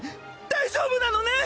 大丈夫なのねん